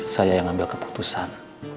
saya yang ambil keputusan